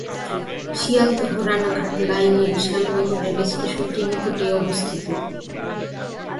শিয়ালদহ-রানাঘাট লাইনের শ্যামনগর রেলস্টেশনটি নিকটেই অবস্থিত।